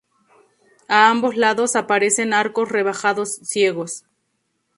A ambos lados aparecen arcos rebajados ciegos.